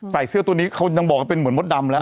ใส่เสื้อตัวนี้เค้านี่จะบอกมันเป็นเหมือนมดดำแล้ว